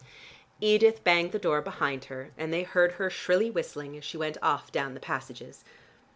Edith banged the door behind her, and they heard her shrilly whistling as she went off down the passages.